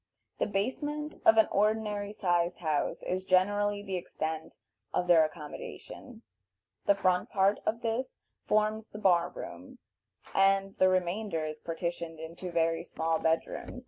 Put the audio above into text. The basement of an ordinary sized house is generally the extent of their accommodation; the front part of this forms the bar room, and the remainder is partitioned into very small bed rooms.